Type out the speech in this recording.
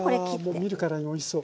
もう見るからにおいしそう！